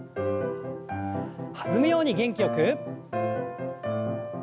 弾むように元気よく。